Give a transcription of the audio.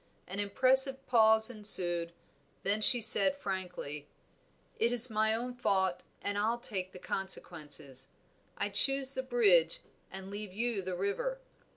An impressive pause ensued, then she said frankly "It is my own fault and I'll take the consequences. I choose the bridge and leave you the river.